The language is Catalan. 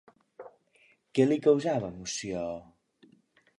Què li causava emoció?